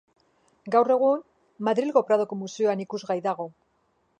Gaur egun, Madrilgo Pradoko Museoan ikusgai dago.